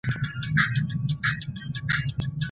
ولي هوډمن سړی د وړ کس په پرتله ژر بریالی کېږي؟